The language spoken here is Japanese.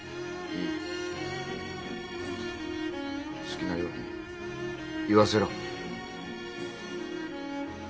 好きなように言わせろ。